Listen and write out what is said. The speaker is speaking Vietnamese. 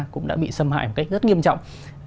cũng đã bị xâm hại một cách rất nghiêm trọng